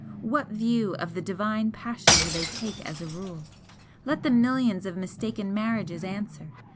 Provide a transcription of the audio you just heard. What view of the divine passion do they take as a rule? Let the millions of mistaken marriages answer!